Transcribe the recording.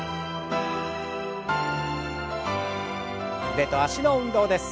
腕と脚の運動です。